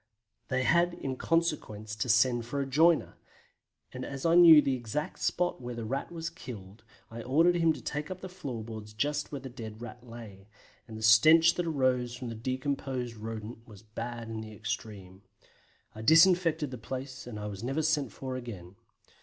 They had in consequence to send for a joiner; and as I knew the exact spot where the Rat was killed I ordered him to take up the floor boards just where the dead Rat lay, and the stench that arose from the decomposed Rodent was bad in the extreme. I disinfected the place, and I was never sent for again.